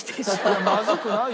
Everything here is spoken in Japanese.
いやまずくないよ。